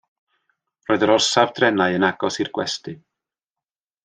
Roedd yr orsaf drenau yn agos i'r gwesty.